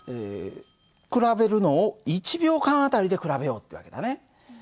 比べるのを１秒間あたりで比べようって訳だね。